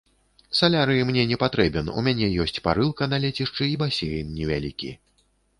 Салярый мне не патрэбен, у мяне ёсць парылка на лецішчы і басейн невялікі.